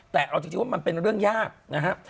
แต่เอาจริงว่ามันเป็นเรื่องยากนะครับ